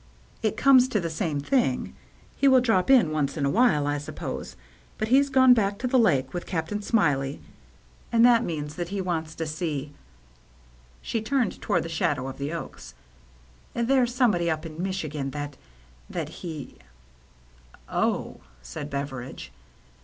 " It comes to the same thing. He will drop in once in a while, I sup pose. But he has gone back to the Lake with THE RED SEAL LABEL 159 Captain Smiley, and that means that he wants to see —" she turned toward the shadow of the oaks —" there's somebody up in Michigan that — that he —"" Oh," said Beveridge.